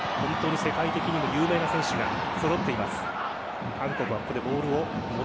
世界的にも有名な選手が揃っています。